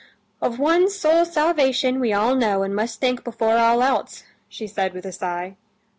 "Of one's soul's salvation we all know and must think before all else," she said with a sigh.